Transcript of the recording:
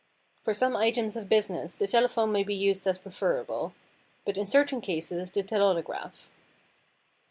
For some items of business the telephone may be used as preferable; but in certain cases, the telautograph.